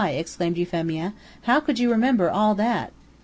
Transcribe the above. exclaimed Euphemia. "How could you remember all that?"